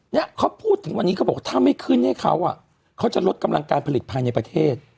เนี่ยเขาพูดถึงวันนี้เขาบอกถ้าไม่ขึ้นให้เขาอ่ะเขาจะลดกำลังการผลิตภายในประเทศ